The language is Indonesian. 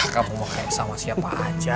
kamu mau kayak sama siapa aja